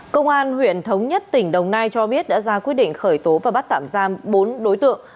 công an huyện thống nhất tỉnh đồng nai cho biết đã ra quyết định khởi tố và bắt tạm giam bốn đối tượng